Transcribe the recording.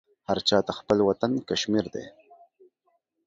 هر چا ته خپل وطن کشمیر دی.